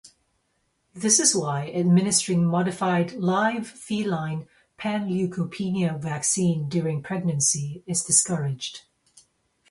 This is why administering modified live feline panleukopenia vaccine during pregnancy is discouraged.